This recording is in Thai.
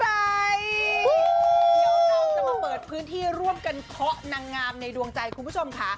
เดี๋ยวเราจะมาเปิดพื้นที่ร่วมกันเคาะนางงามในดวงใจคุณผู้ชมค่ะ